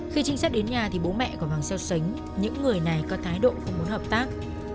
khi trinh sát đến nhà thì bố mẹ của hoàng xeo xánh những người này có thái độ không muốn hợp tác